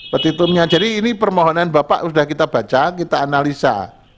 petitumnya jadi ini permohonan bapak sudah kita baca kita analisa